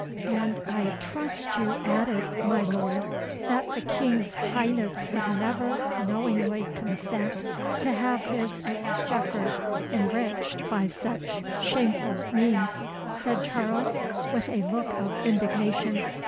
"And I trust you added, my Lord, that the King's Highness would never knowingly consent to have his exchequer enriched by such shameful means," said Charles, with a look of indignation.